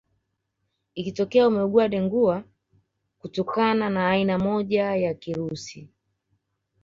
Ikitokea umeugua Dengua kutokana na aina moja ya kirusi